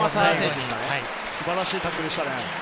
素晴らしいタックルでしたね。